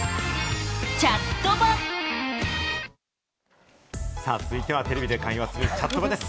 チャット続いてはテレビで会話するチャットバです。